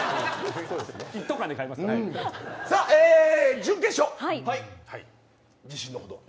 準決勝、自信のほど。